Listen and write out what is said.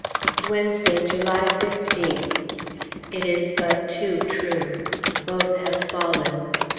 Wednesday, July 15th. It is but too true; both have fallen.